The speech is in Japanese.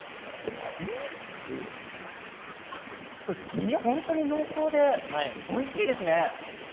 黄身が本当に濃厚でおいしいですね。